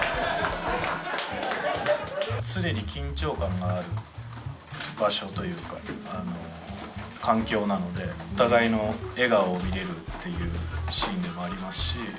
常に緊張感がある場所というか環境なので、お互いの笑顔を見れるっていうシーンでもありますし。